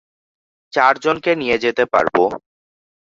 চারজনকে নিয়ে যেতে পারবো।